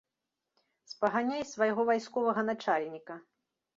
Спаганяй з свайго вайсковага начальніка.